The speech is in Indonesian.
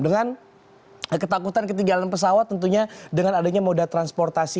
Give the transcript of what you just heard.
dengan ketakutan ketinggalan pesawat tentunya dengan adanya moda transportasi